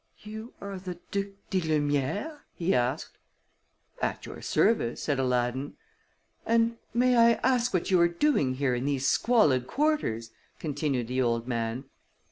"You are the Duc di Lumière?" he asked. "At your service," said Aladdin. "And may I ask what you are doing here in these squalid quarters?" continued the old man.